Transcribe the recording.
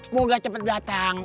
moga cepet datang